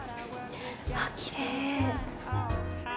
あきれい。